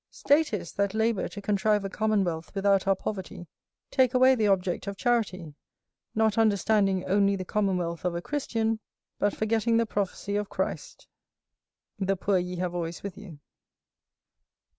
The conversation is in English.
Statists that labour to contrive a commonwealth without our poverty take away the object of charity; not understanding only the commonwealth of a Christian, but forgetting the prophecy of Christ.[S] [S] "The poor ye have always with you."